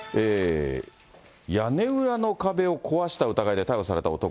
屋根裏の壁を壊した疑いで逮捕された男。